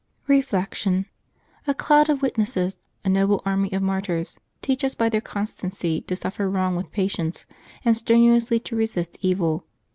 Reflection. — A cloud of witnesses, a noble army of mar tyrs, teach us by their constancy to suffer wrong with patience, and strenuously to resist evil.